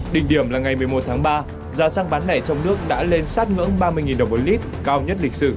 đỉnh điểm là ngày một mươi một tháng ba giá xăng bán lẻ trong nước đã lên sát ngưỡng ba mươi đồng một lít cao nhất lịch sử